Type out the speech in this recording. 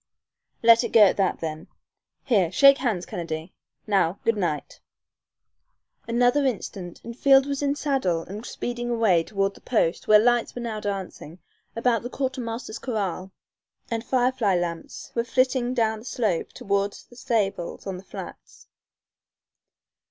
"Let it go at that then. Here, shake hands, Kennedy. Now, good night!" Another instant and Field was in saddle and speeding away toward the post where lights were now dancing about the quartermaster's corral, and firefly lamps were flitting down the slope toward the stables on the flats.